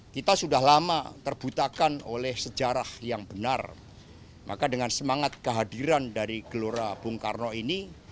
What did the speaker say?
kita sudah lama terbutakan oleh sejarah yang benar maka dengan semangat kehadiran dari gelora bung karno ini